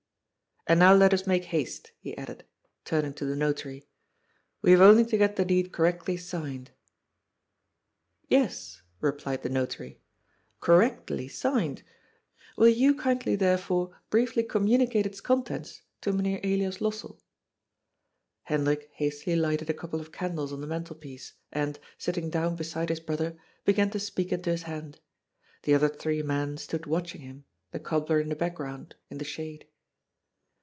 "And now let us make haste," he added, turning to the Notary. " We have only to get the deed correctly signed." " Yes," replied the Notary. " Correctly signed. Will you kindly therefore briefly communicate its contents to Mynheer Elias Lossell ?" Hendrik hastily lighted a couple of candles on tjie mantelpiece, and, sitting down beside his brother, began to speak into his hand. The other three men stood watching him, the cobbler in the background, in the shade.